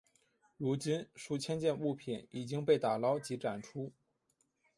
如今数千件物品已经被打捞及展出。